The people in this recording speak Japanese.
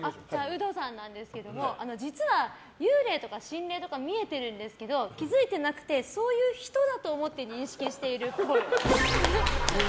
ウドさんなんですけども実は、幽霊とか心霊とか見えてるんですけど気づいてなくてそういう人だと思って認識しているっぽい。